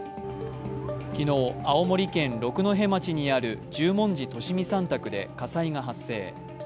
昨日、青森県六戸町にある十文字利美さん宅で火災が発生。